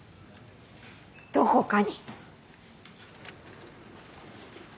どこかに。